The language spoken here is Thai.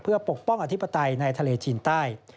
เพื่อปกป้องอธิปไตยในทะเลจีนใต้